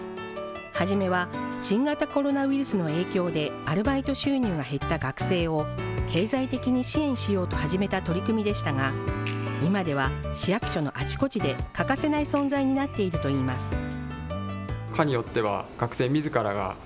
初めは、新型コロナウイルスの影響でアルバイト収入が減った学生を経済的に支援しようと始めた取り組みでしたが、今では市役所のあちこちで欠かせない存在になっているといいます。